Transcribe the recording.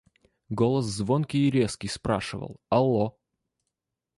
Голос звонкий и резкий спрашивал: – Алло!